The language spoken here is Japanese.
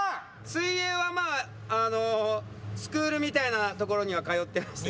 水泳はまああのスクールみたいな所には通ってましたよ。